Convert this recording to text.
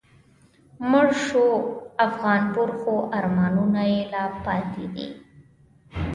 مړ شو افغانپور خو آرمانونه یې لا پاتی دي